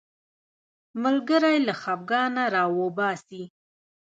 ملګری له خفګانه راوباسي